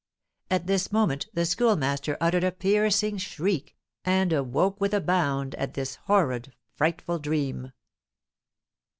At this moment the Schoolmaster uttered a piercing shriek, and awoke with a bound at this horrid, frightful dream.